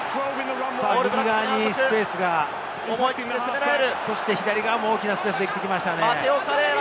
右側にスペースが、左側にも大きなスペースができてきましたね。